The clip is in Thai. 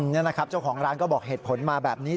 นี่นะครับเจ้าของร้านก็บอกเหตุผลมาแบบนี้